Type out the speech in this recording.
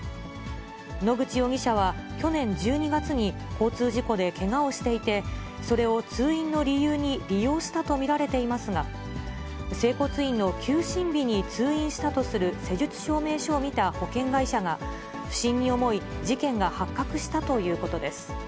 野口容疑者は去年１２月に交通事故でけがをしていて、それを通院の理由に利用したと見られていますが、整骨院の休診日に通院したとする施術証明書を見た保険会社が、不審に思い、事件が発覚したということです。